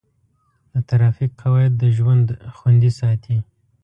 د ټرافیک قواعد د ژوند خوندي ساتي.